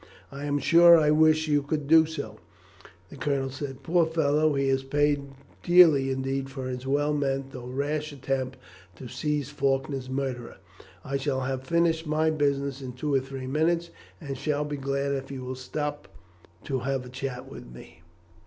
"I am sure I wish that you could do so," the colonel said. "Poor fellow! he has paid dearly indeed for his well meant though rash attempt to seize Faulkner's murderer. I shall have finished my business in two or three minutes, and shall be glad if you will stop to have a chat with me."